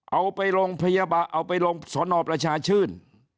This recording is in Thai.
เอาไปโรงพยาบาลเอาไปลงสนประชาชื่น